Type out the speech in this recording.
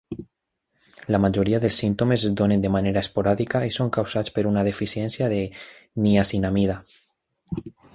La majoria dels símptomes es donen de manera esporàdica i són causats per una deficiència de niacinamida.